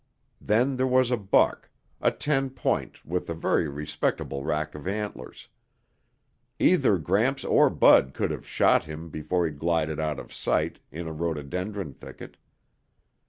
Then there was a buck, a ten point with a very respectable rack of antlers. Either Gramps or Bud could have shot him before he glided out of sight in a rhododendron thicket.